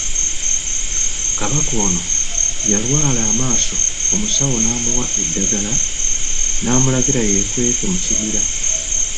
Kabaka ono yalwala amaaso omusawo n'amuwa eddagala, n'amulagira yeekweke mu kibira.